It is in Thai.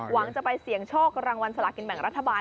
หวังจะไปเสี่ยงโชครางวัลสลากินแบ่งรัฐบาล